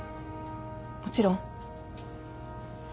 もちろん。